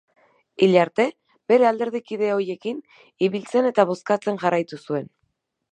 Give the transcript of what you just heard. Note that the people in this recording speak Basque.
Hil arte, bere alderdikide ohiekin ibiltzen eta bozkatzen jarraitu zuen.